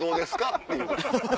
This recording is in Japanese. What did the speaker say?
っていう。